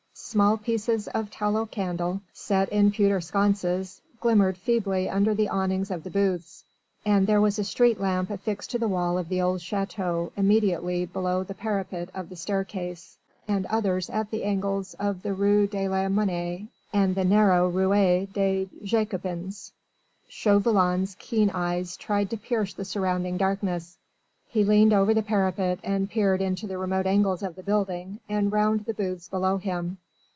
Small pieces of tallow candle, set in pewter sconces, glimmered feebly under the awnings of the booths, and there was a street lamp affixed to the wall of the old château immediately below the parapet of the staircase, and others at the angles of the Rue de la Monnaye and the narrow Ruelle des Jacobins. Chauvelin's keen eyes tried to pierce the surrounding darkness. He leaned over the parapet and peered into the remote angles of the building and round the booths below him.